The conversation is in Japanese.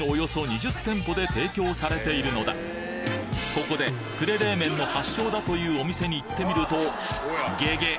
ここで呉冷麺の発祥だというお店に行ってみるとげげ！